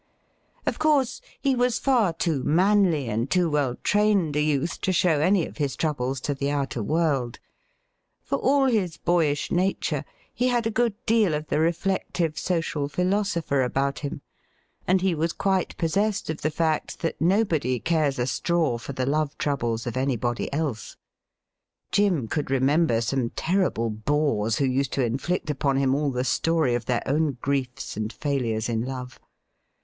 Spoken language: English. Of course, he was far too manly and too well trained a youth to show any of his troubles to the outer world. For all his boyish nature, he had a good deal of the reflective social philosopher about him, and he was quite possessed of the fact that nobody cares a straw for the love troubles of anybody else. Jim could remember some terrible bores, who used to inflict upon him all the story of their own griefs and failures in love.